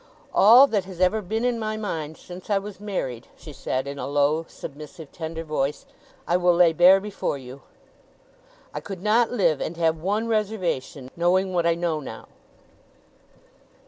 'All that has ever been in my mind, since I was married,' she said in a low, submissive, tender voice, 'I will lay bare before you. I could not live and have one reservation, knowing what I know now.